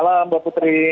selamat malam mbak putri